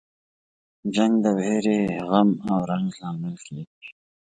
جنګ د ویرې، غم او رنج لامل کیږي.